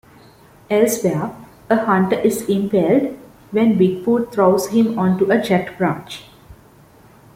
Elsewhere, a hunter is impaled when Bigfoot throws him onto a jagged branch.